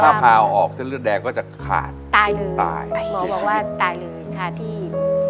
ถ้าพาเอาออกเส้นเลือดแดงก็จะขาดตายเลยตายเขาบอกว่าตายเลยค่ะที่